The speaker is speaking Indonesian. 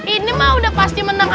ini mah udah pasti menang